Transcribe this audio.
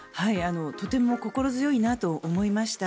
とても心強いなと思いました。